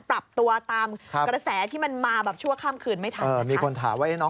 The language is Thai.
ปรับตัวตามกระแสที่มันมาชั่วข้ามคืนไม่ทัน